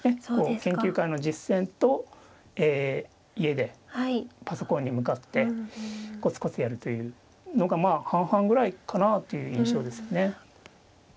研究会の実戦と家でパソコンに向かってコツコツやるというのがまあ半々ぐらいかなあという印象ですね。